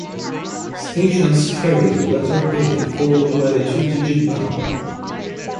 Stations carry the letter "A" followed by a two-digit number.